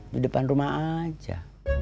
di depan rumah aja